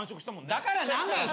だから何だよ！